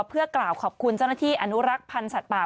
เพื่อกล่าวขอบคุณเจ้าหน้าที่อนุรักษ์พันธ์สัตว์ป่า